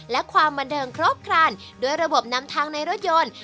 และความบันเทิงครบครันด้วยระบบนำทางในรถยนต์